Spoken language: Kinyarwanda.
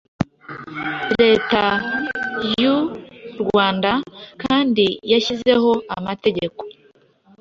Leta y’u Rwanda kandi yashyizeho amategeko